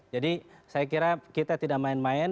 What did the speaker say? jadi saya kira kita tidak main main